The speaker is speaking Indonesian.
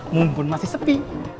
mumpun masih sepi